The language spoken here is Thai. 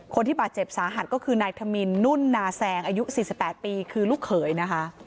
คนที่บาดเจ็บสาหัสก็คือนายธมินนุ่นนาแซงอายุ๔๘ปีคือลูกเขยนะคะ